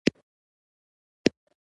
که څه هم له ګرمۍ سره بلد یم، دا بل ډول وه.